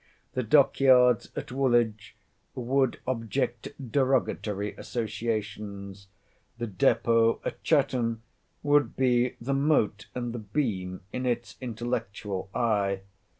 The dock yards at Woolwich would object derogatory associations. The depôt at Chatham would be the mote and the beam in its intellectual eye.